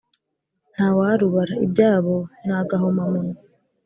Ntawarubara ibyabo nagahoma munwa